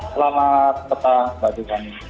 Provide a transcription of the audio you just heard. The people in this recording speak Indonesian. selamat petang bapak jokowi